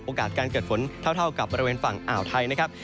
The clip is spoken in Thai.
การเกิดฝนเท่ากับบริเวณฝั่งอ่าวไทยนะครับ